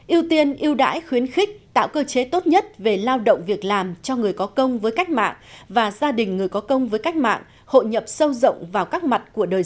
yêu tiên yêu đãi khuyến khích tạo cơ chế tốt nhất về lao động việc làm cho người có công với cách mạng và gia đình người có công với cách mạng hội nhập sâu rộng vào các mặt của đời sống